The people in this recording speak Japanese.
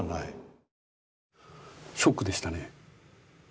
ショックでしたね。